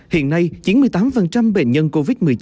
hiện nay chín mươi tám bệnh nhân covid một mươi chín